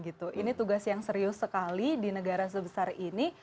ini tugas yang serius sekali di negara sebesar ini